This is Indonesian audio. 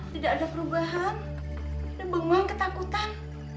tidak ada perubahan dia bangun ketakutan